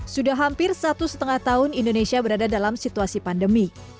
sudah hampir satu setengah tahun indonesia berada dalam situasi pandemi